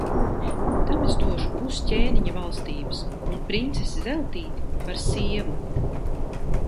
Tam es došu pus ķēniņa valstības un princesi Zeltīti par sievu.